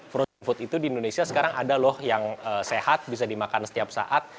front food itu di indonesia sekarang ada loh yang sehat bisa dimakan setiap saat